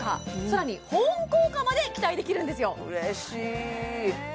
さらに保温効果まで期待できるんですよ